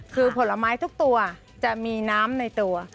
คือผลไม้ทุกตัวจะมีน้ำในตัว